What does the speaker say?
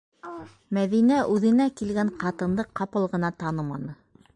Мәҙинә үҙенә килгән ҡатынды ҡапыл ғына таныманы.